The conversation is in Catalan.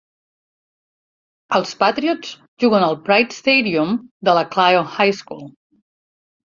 Els Patriots juguen al Pride Stadium de la Clio High School.